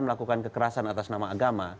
melakukan kekerasan atas nama agama